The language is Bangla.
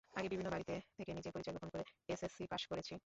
আগে বিভিন্ন বাড়িতে থেকে নিজের পরিচয় গোপন করে এসএসসি পাস করেছি।